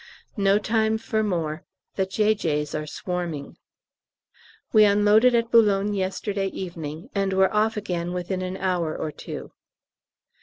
No time for more the J.J.'s are swarming. We unloaded at B. yesterday evening, and were off again within an hour or two.